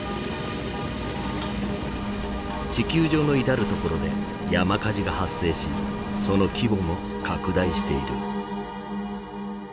地球上の至る所で山火事が発生しその規模も拡大している。